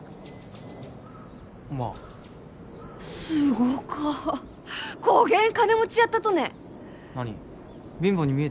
まあすごかこげん金持ちやったとね何貧乏に見えた？